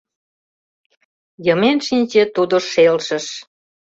Йымен шинче тудо шелшыш.